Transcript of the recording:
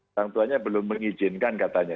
orang tuanya belum mengizinkan katanya